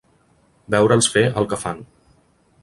Veure'ls fer el que fan.